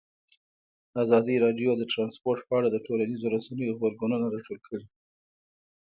ازادي راډیو د ترانسپورټ په اړه د ټولنیزو رسنیو غبرګونونه راټول کړي.